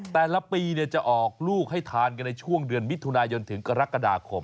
แต่ละปีจะออกลูกให้ทานกันในช่วงเดือนมิถุนายนถึงกรกฎาคม